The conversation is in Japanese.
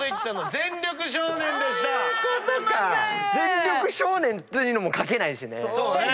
「全力少年」というのも描けないしね。